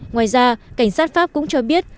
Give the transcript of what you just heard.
ngoài ra cảnh sát pháp cũng cho biết